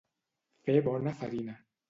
Fer bona farina.